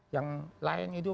yang lain itu